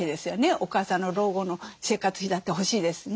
お母さんの老後の生活費だって欲しいですしね。